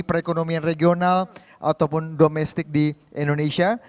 perekonomian regional ataupun domestik di indonesia